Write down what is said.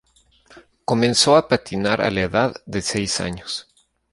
Comenzó a patinar a la edad de seis años.